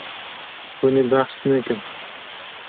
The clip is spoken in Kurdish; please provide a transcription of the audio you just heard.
Hûn ê behs nekin.